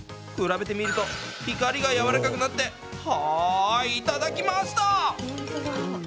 比べてみると光がやわらかくなってはーい、いただきました！